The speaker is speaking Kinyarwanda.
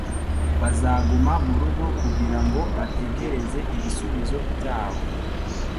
bazaguma murugo kugirango bategereze ibisubizo byabo.